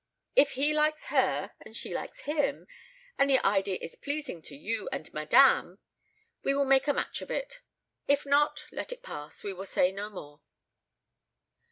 If he likes her and she likes him, and the idea is pleasing to you and madame, we will make a match of it. If not, let it pass; we will say no more."